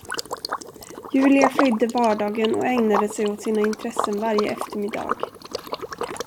Julia flydde vardagen och ägnade sig åt sina intressen varje eftermiddag.